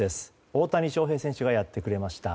大谷翔平選手がやってくれました。